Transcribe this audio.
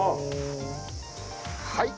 はい。